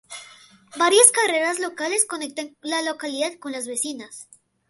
Varias carreteras locales conectan la localidad con las vecinas.